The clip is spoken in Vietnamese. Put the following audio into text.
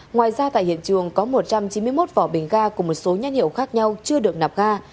ngoài ra tại hiện trường có một trăm chín mươi một vỏ bình ga cùng một số nhân hiệu khác nhau chưa được nạp ga